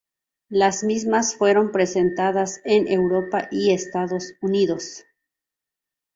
Las mismas fueron presentadas en Europa y Estados Unidos.